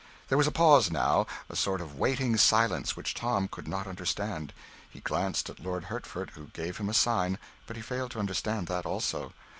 There was a pause now, a sort of waiting silence which Tom could not understand. He glanced at Lord Hertford, who gave him a sign but he failed to understand that also.